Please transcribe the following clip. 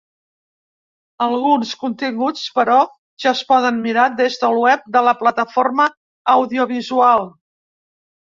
Alguns continguts, però, ja es poden mirar des del web de la plataforma audiovisual.